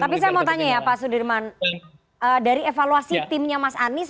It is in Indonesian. tapi saya mau tanya ya pak sudirman dari evaluasi timnya mas anies